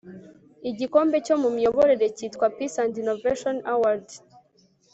igikombe cyo mu miyoborere cyitwa peace and innovation award